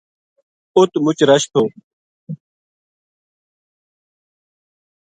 اُت مچ رش تھو